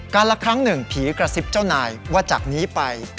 ละครั้งหนึ่งผีกระซิบเจ้านายว่าจากนี้ไป